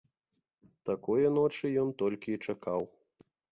Такое ночы ён толькі і чакаў.